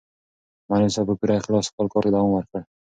معلم صاحب په پوره اخلاص خپل کار ته دوام ورکړ.